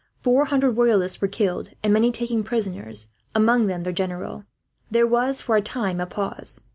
Four hundred Royalists were killed, and many taken prisoners, among them their general. There was, for a time, a pause.